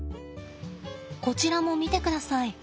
こちらも見てください。